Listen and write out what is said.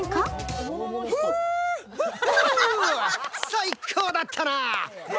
最高だったなー。